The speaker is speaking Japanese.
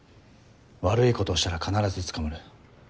「悪いことをしたら必ず捕まる」